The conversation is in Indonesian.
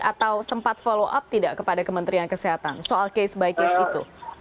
atau sempat follow up tidak kepada kementerian kesehatan soal case by case itu